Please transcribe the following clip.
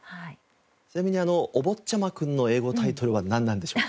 ちなみに『おぼっちゃまくん』の英語タイトルはなんなんでしょうか？